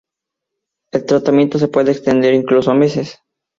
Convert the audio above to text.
El tratamiento se puede extender incluso a meses.